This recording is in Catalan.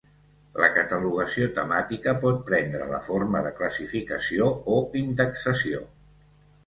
La catalogació temàtica pot prendre la forma de classificació o indexació.